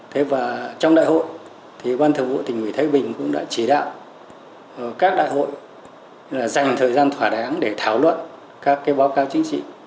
thế và trong đại hội thì ban thường vụ tỉnh ủy thái bình cũng đã chỉ đạo các đại hội là dành thời gian thỏa đáng để thảo luận các cái báo cáo chính trị